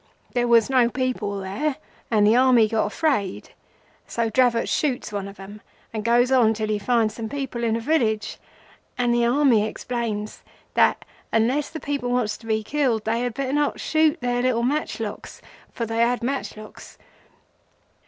There was no people there and the Army got afraid, so Dravot shoots one of them, and goes on till he finds some people in a village, and the Army explains that unless the people wants to be killed they had better not shoot their little matchlocks; for they had matchlocks.